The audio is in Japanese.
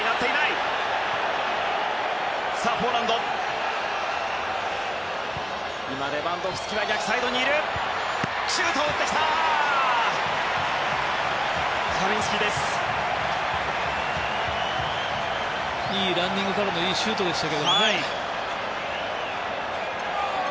いいランニングからのいいシュートでしたけどね。